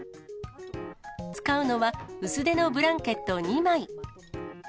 使うのは、薄手のブランケット２枚。